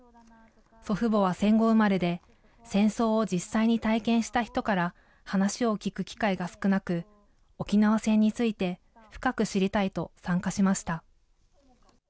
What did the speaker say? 祖父母は戦後生まれで、戦争を実際に体験した人から、話を聞く機会が少なく、沖縄戦について深く知りたいと参加しました。